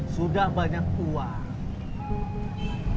sudah banyak uang